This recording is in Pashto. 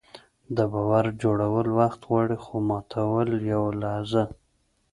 د باور جوړول وخت غواړي، خو ماتول یوه لحظه.